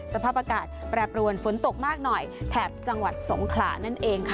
คุณภาคประกาศแปรบรวมฝนตกมากหน่อยแถบจังหวัดสงขรานั่นเอง